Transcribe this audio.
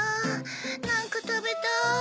なんかたべたい。